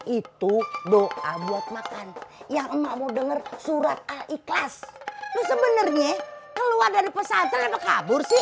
itu doa buat makan yang emakmu denger surat al ikhlas sebenarnya keluar dari pesantren kabur sih